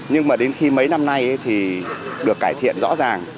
nhưng mà đến khi mấy năm nay thì được cải thiện rõ ràng